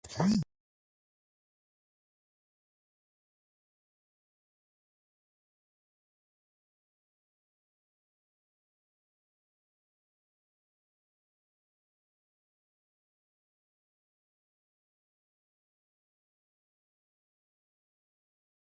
کابل د افغانستان د صنعت لپاره مواد برابروي.